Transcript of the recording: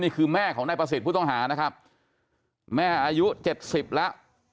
นี่คือแม่ของนายประสิทธิ์ผู้ต้องหานะครับแม่อายุ๗๐แล้ว